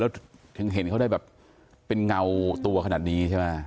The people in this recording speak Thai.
แล้วถึงเห็นเขาได้แบบเป็นเงาตัวขนาดนี้ใช่ไหม